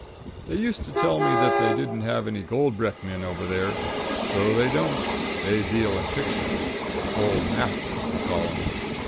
They used to tell me that they didn't have any gold brick men over there. So they don't. They deal in pictures old masters, they call them.